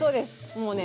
もうね